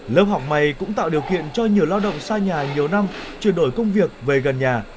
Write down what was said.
lớp học mày cũng tạo điều kiện cho nhiều lao động xa nhà nhiều năm chuyển đổi công việc về gần nhà